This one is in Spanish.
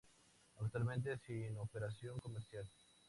Actualmente sin operación comercial.